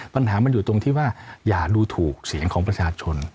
ปัญหามันอยู่ตรงที่ว่าอย่าดูถูกเสียงของประชาชน